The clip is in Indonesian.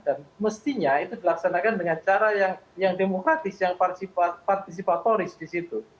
dan mestinya itu dilaksanakan dengan cara yang demokratis yang partisipatoris di situ